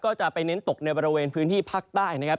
ก็จะไปเน้นตกในบริเวณพื้นที่ภาคใต้นะครับ